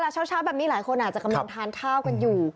แต่เช้าแบบนี้หลายคนอาจจะกำลังทานข้าวกันอยู่